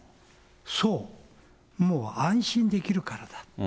そう、もう安心できるからだ。